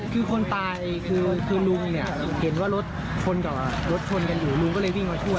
คือคนตายคือลุงเนี่ยเห็นว่ารถชนกับรถชนกันอยู่ลุงก็เลยวิ่งมาช่วย